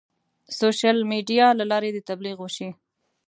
سوشیل میډیا له لارې د تبلیغ وشي.